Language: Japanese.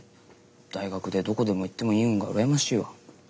大学でどこでも行ってもいいゆうんが羨ましいわ。